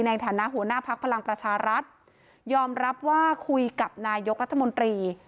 ในฐานะหัวหน้าพักพลังประชารัฐยอมรับว่าคุยกับนายกรัฐมนตรี